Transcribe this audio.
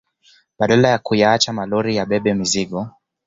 Badala ya kuyaacha malori yabebe mizigo